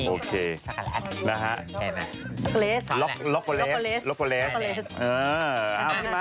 นี่ชาลัดนะฮะล็อโกเลส